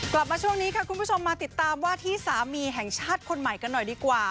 กลับมาช่วงนี้ค่ะคุณผู้ชมมาติดตามว่าที่สามีแห่งชาติคนใหม่กันหน่อยดีกว่า